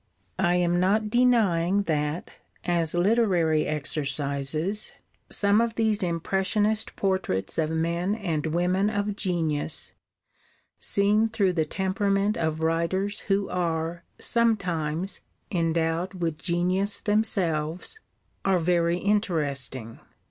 I am not denying that, as literary exercises, some of these impressionist portraits of men and women of genius, seen through the temperament of writers who are, sometimes, endowed with genius themselves, are very interesting.